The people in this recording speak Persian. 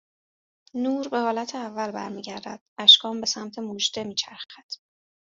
نور به حالت اول برمیگردد. اشکان به سمت مژده میچرخد